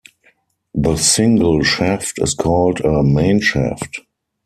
This single shaft is called a "mainshaft".